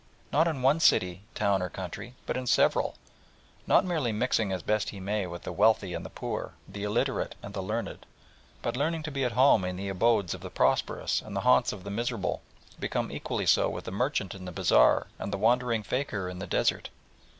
Not in one city, town or country, but in several, not merely mixing as best he may with the wealthy and the poor, the illiterate and the learned, but learning to be at home in the abodes of the prosperous and the haunts of the miserable, become equally so with the merchant in the bazaar and the wandering fakir in the desert.